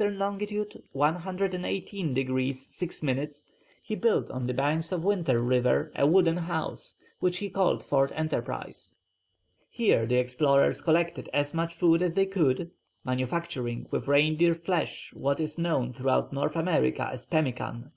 long. 118 degrees 6 minutes, he built on the banks of Winter River a wooden house, which he called Fort Enterprise. Here the explorers collected as much food as they could, manufacturing with reindeer flesh what is known throughout North America as pemmican.